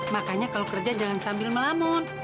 makanya kalau kerja jangan sambil melamun